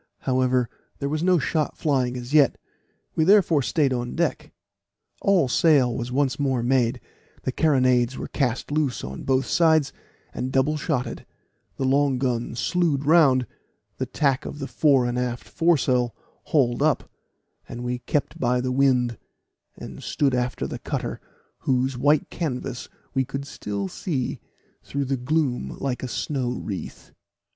However, there was no shot flying as yet, we therefore stayed on deck. All sail was once more made; the carronades were cast loose on both sides, and double shotted, the long gun slewed round, the tack of the fore and aft foresail hauled up, and we kept by the wind, and stood after the cutter, whose white canvas we could still see through the gloom like a snow wreath.